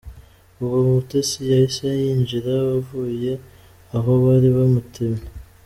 Ubwo Umutesi yahise yinjira avuye aho bari bamutumye.